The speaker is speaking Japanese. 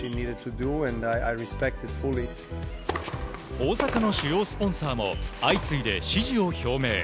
大坂の主要スポンサーも相次いで支持を表明。